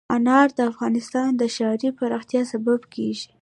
انار د افغانستان د ښاري پراختیا سبب کېږي.